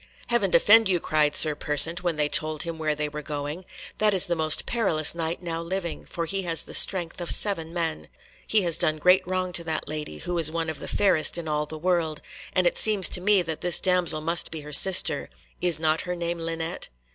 "Heaven defend you," cried Sir Persant, when they told him where they were going; "that is the most perilous Knight now living, for he has the strength of seven men. He has done great wrong to that lady, who is one of the fairest in all the world, and it seems to me that this damsel must be her sister. Is not her name Linet?"